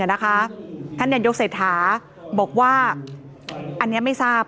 ท่านยันยกเศรษฐาบอกว่าอันนี้ไม่ทราบ